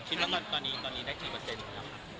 คิดว่าตอนนี้ได้กี่เปอร์เซ็นต์ครับ